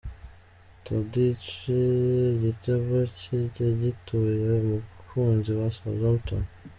Tadic igitego cye yagituye abakunzi ba Southampton.